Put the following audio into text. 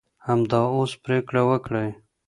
همدا اوس پرېکړه وکړئ.